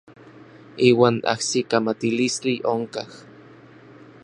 Iuan ajsikamatilistli onkaj.